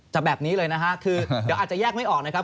แบบนี้เลยนะฮะคือเดี๋ยวอาจจะแยกไม่ออกนะครับ